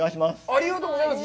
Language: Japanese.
ありがとうございます。